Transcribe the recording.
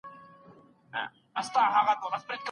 باور په ځان باندي د انسان تر ټولو لوی قوت دی.